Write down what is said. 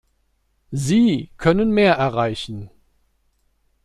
Sie können mehr erreichen.